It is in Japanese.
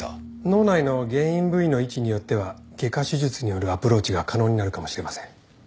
脳内の原因部位の位置によっては外科手術によるアプローチが可能になるかもしれません。